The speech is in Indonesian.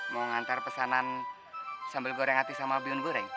mau ngantar pesanan sambal goreng hati sama bihun goreng